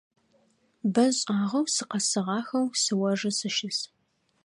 Бэ шӏагъэу сыкъэсыгъахэу сыожэ сыщыс.